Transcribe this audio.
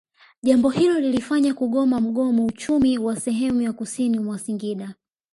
Jambo hilo liliwafanya kugoma mgomo Uchumi wa sehemu ya kusini mwa Singida